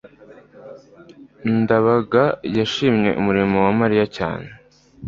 ndabaga yashimye umurimo wa mariya cyane